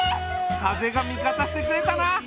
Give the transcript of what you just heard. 風が味方してくれたな。